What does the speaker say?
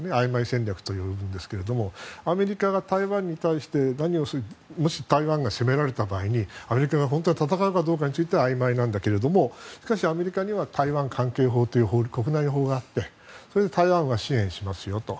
曖昧戦略というんですけどアメリカが台湾に対してもし攻められた場合にアメリカが本当に戦うかどうかはあいまいだけれどもしかしアメリカには台湾関係法という国内法があってそれで台湾は支援しますよと。